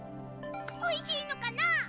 おいしいのかな？